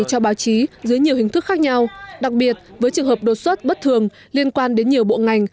cho báo chí dưới nhiều hình thức khác nhau đặc biệt với trường hợp đột xuất bất thường liên quan đến nhiều bộ ngành